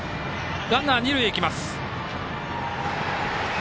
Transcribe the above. ランナー、二塁へ行きます。